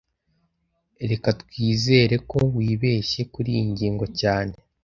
Reka twizere ko wibeshye kuriyi ngingo cyane